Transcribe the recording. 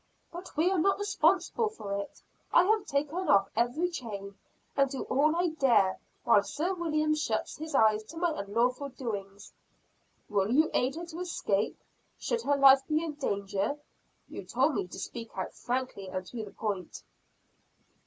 "But we are not responsible for it! I have taken off every chain and do all I dare; while Sir William shuts his eyes to my unlawful doings." "Will you aid her to escape, should her life be in danger? You told me to speak out frankly and to the point."